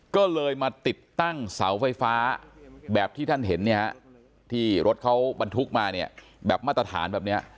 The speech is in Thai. ก็เลยมาติดตั้งเสาไฟฟ้าแบบที่ท่านเห็นเนี่ยฮะที่รถเขาบรรทุกมาเนี่ยแบบมาตรฐานแบบนี้